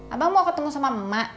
abang mau ketemu sama emak